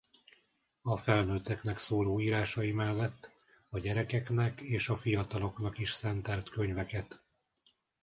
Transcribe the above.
A felnőtteknek szóló írásai mellett a gyerekeknek és a fiataloknak is szentelt könyveket.